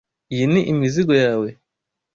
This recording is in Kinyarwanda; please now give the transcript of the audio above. Iyi ni imizigo yawe?